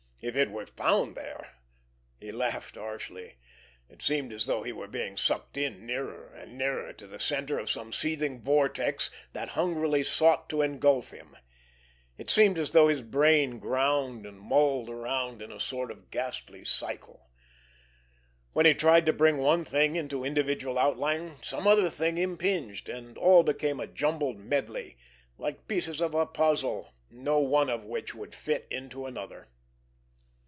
If it were found there! He laughed harshly. It seemed as though he were being sucked in nearer and nearer to the center of some seething vortex that hungrily sought to engulf him. It seemed as though his brain ground and mulled around in a sort of ghastly cycle. When he tried to bring one thing into individual outline some other thing impinged, and all became a jumbled medley, like pieces of a puzzle, no one of which would fit into another.